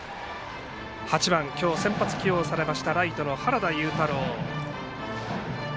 ８番、今日、先発起用されたライトの原田悠太郎。